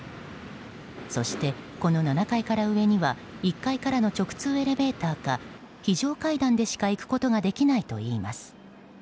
そしてこの７階から上には１階からの直通エレベーターか非常階段でしか行くことができないといいます。